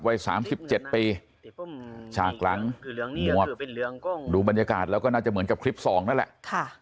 วัย๓๗ปีฉากหลังหมวกดูบรรยากาศแล้วก็น่าจะเหมือนกับคลิปสองนั่นแหละ